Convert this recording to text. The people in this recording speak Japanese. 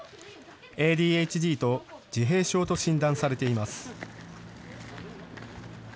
ＡＤＨＤと自閉症と診断されています。